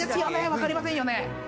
わかりませんよね。